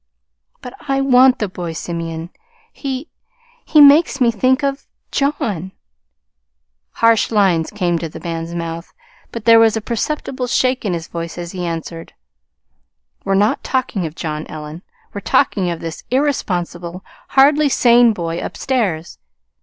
"But I want the boy, Simeon. He he makes me think of John." Harsh lines came to the man's mouth, but there was a perceptible shake in his voice as he answered: "We're not talking of John, Ellen. We're talking of this irresponsible, hardly sane boy upstairs.